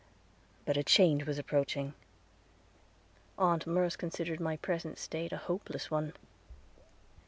But a change was approaching. Aunt Merce considered my present state a hopeless one.